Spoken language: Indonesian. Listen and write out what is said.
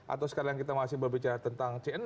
atau sekarang kita masih berbicara tentang c enam